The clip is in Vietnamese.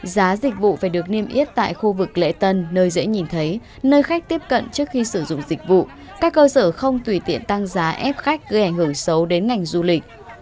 giá dịch vụ phải được niêm yết tại khu vực lễ tân nơi dễ nhìn thấy nơi khách tiếp cận trước khi sử dụng dịch vụ các cơ sở không tùy tiện tăng giá ép khách gây ảnh hưởng xấu đến ngành du lịch